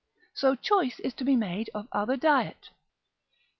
So choice is to be made of other diet.